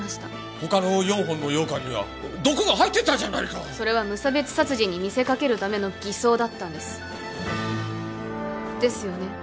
他の４本の羊羹には毒が入ってたじゃないかそれは無差別殺人に見せかけるための偽装だったんですですよね？